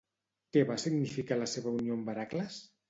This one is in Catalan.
Què va significar la seva unió amb Heràcles?